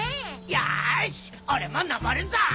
よし俺も登るぞ！